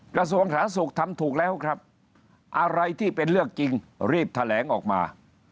กระทรวงสาธารณสุขทำถูกแล้วครับอะไรที่เป็นเรื่องจริงรีบแถลงออกมา